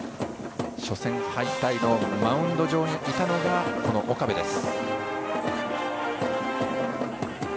初戦敗退のマウンド上にいたのがこの岡部です。